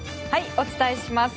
お伝えします。